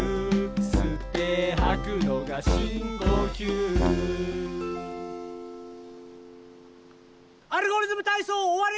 「すってはくのがしんこきゅう」「アルゴリズムたいそう」おわり！